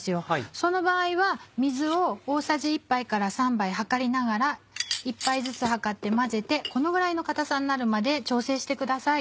その場合は水を大さじ１杯から３杯量りながら１杯ずつ量って混ぜてこのぐらいの硬さになるまで調整してください。